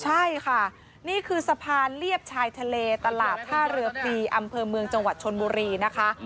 ใช่ค่ะนี่คือสะพานเลียบชายทะเลตลาดท่าเรือพลีอำเภอเมืองจังหวัดชนบุรีนะคะ